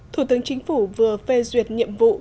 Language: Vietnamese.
thủ tướng chính phủ vừa phê duyệt nhiệm vụ